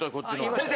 先生。